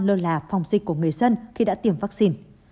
lơ là phòng dịch của người dân khi đã tiêm vaccine